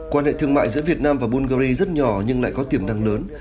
quan hệ thương mại giữa việt nam và bungary rất nhỏ nhưng lại có tiềm năng lớn